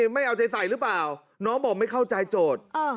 ไม่เอาใจใส่หรือเปล่าน้องบอกไม่เข้าใจโจทย์